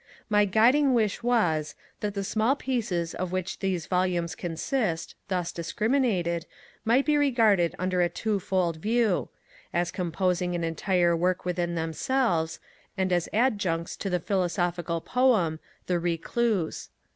My guiding wish was, that the small pieces of which these volumes consist, thus discriminated, might be regarded under a two fold view; as composing an entire work within themselves, and as adjuncts to the philosophical Poem, The Recluse.